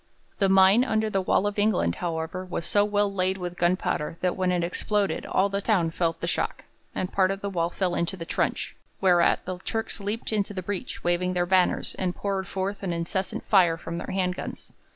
The mine under the wall of England, however, was so well laid with gunpowder that when it exploded all the town felt the shock, and part of the wall fell into the trench, whereat the Turks leaped into the breach waving their banners and poured forth an incessant fire from their hand guns.